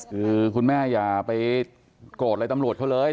คือคุณแม่อย่าไปโกรธอะไรตำรวจเขาเลย